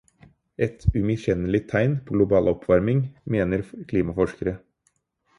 Et umiskjennelig tegn på global oppvarming, mener klimaforskere.